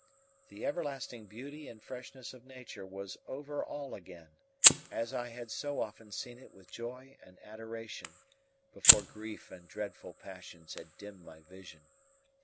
The everlasting beauty and freshness of nature was over all again, as I had so often seen it with joy and adoration before grief and dreadful passions had dimmed my vision.